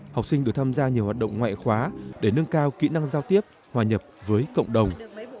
học sinh được tham gia nhiều hoạt động ngoại khóa để nâng cao kỹ năng giao tiếp hòa nhập với cộng đồng